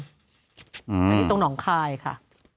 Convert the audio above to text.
อันนี้ตรงหนองคายค่ะ